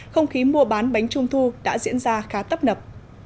không khí mua bán bánh trung thu đã diễn ra khá tấp nập